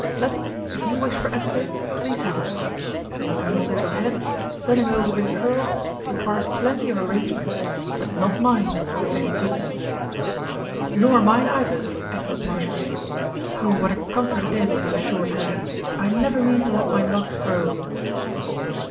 Lettie, if you wish for Esther, please have her. Your neat little head, 'sunning over with curls,' requires plenty of arrangement; but not mine, thank goodness." "Nor mine either," echoed Marjorie. "Oh, what a comfort it is to have short hair. I never mean to let my locks grow."